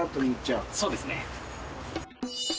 そうですね。